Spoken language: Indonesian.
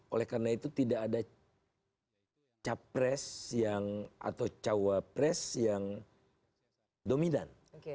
oleh karena itu tidak ada capres atau cawapres yang dominan